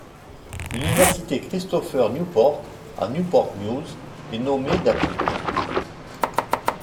L'université Christopher Newport à Newport News est nommé d'après lui.